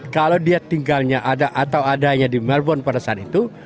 kalau dia tinggalnya ada atau adanya di melbon pada saat itu